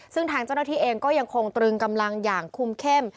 ซึ่งทางเจ้าหน้าที่เองก็ยังคงตรึงกำลังอย่างคุมเข้ม